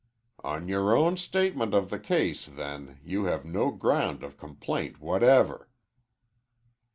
"On your own statement of the case, then, you have no ground of complaint whatever."